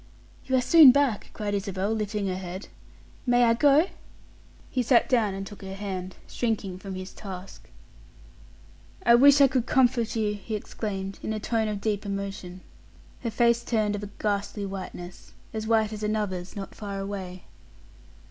"You are soon back," cried Isabel, lifting her head. "May I go?" He sat down and took her hand, shrinking from his task. "I wish I could comfort you!" he exclaimed, in a tone of deep emotion. Her face turned of a ghastly whiteness as white as another's not far away.